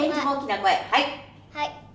はい！